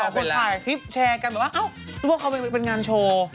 คุณสองคนถ่ายคลิปแชร์กันแบบว่าอ้าวรู้ป่าวเขาเป็นงานโชว์